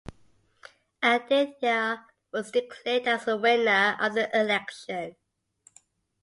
Aditya was declared as the winner of the election.